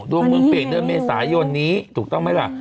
ดวงเมืองเปลี่ยนเดือนเมษายนนี้ถูกต้องไหมล่ะ